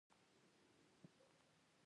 زه به سبا خپل ورور ته زنګ ووهم.